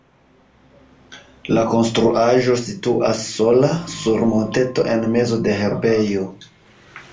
La konstruaĵo situas sola sur monteto en mezo de herbejo.